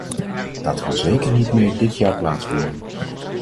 Dat kan zeker niet meer dit jaar plaatsvinden.